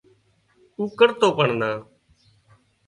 اوۯکتو پڻ نا